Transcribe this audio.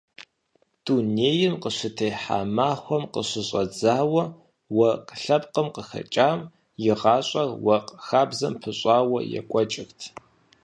Дунейм къыщытехьа махуэм къыщыщӏэдзауэ уэркъ лъэпкъым къыхэкӏам и гъащӏэр уэркъ хабзэм пыщӏауэ екӏуэкӏырт.